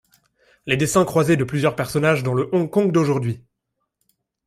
Les destins croisés de plusieurs personnages dans le Hong Kong d'aujourd'hui.